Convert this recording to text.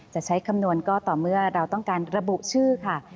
จะใช้คำนวณก็ต่อเมื่อเราต้องการระบุชื่อค่ะ